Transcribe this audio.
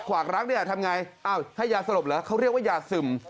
ขวากรักเนี่ยทำไงอ้าวให้ยาสลบเหรอเขาเรียกว่ายาซึม